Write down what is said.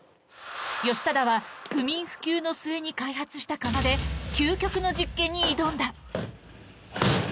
義忠は、不眠不休の末に開発した釜で、究極の実験に挑んだ。